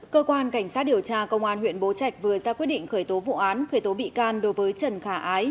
cơ quan cảnh sát điều tra công an huyện bố trạch vừa ra quyết định khởi tố vụ án khởi tố bị can đối với trần khả ái